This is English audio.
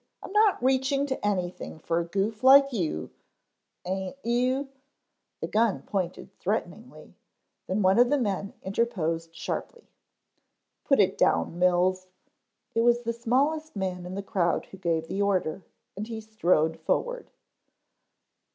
"I'm not reaching to anything for a goof like you " "Aint you " The gun pointed threateningly, then one of the men interposed sharply. "Put it down, Mills." It was the smallest man in the crowd who gave the order and he strode forward.